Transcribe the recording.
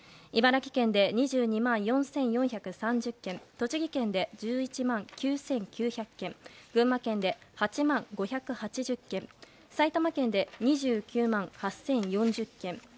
茨城県で２２万４４３０軒栃木県で１１万９９００軒群馬県で８万５８０軒埼玉県で２９万８０４０軒